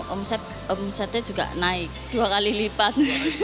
omset omsetnya juga naik dua kali lipat